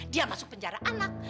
dia masuk penjara anak